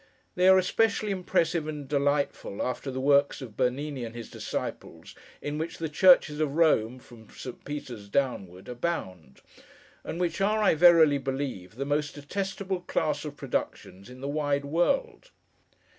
They are especially impressive and delightful, after the works of Bernini and his disciples, in which the churches of Rome, from St. Peter's downward, abound; and which are, I verily believe, the most detestable class of productions in the wide world.